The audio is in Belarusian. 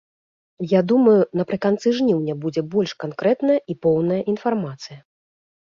Я думаю, напрыканцы жніўня будзе больш канкрэтная і поўная інфармацыя.